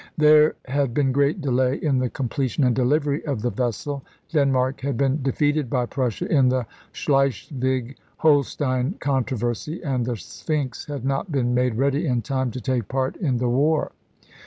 There had been great delay in the completion and delivery of the vessel. Denmark had been defeated by Prus sia in the Schleswig Holstein controversy, and the Sphinx had not been made ready in time to take part in the war.